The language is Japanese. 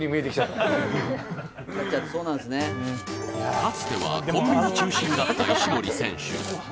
かつてはコンビニ中心だった石森選手。